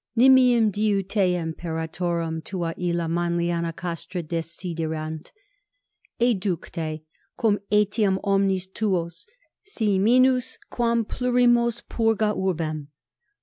Nimium diu te imperatorem tua illa Manliana castra desiderant. Educ tecum etiam omnes tuos, si minus, quam plurimos; purga urbem.